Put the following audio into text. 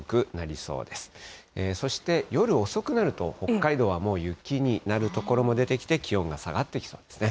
そして夜遅くなると、北海道はもう雪になる所も出てきて、気温が下がってきそうですね。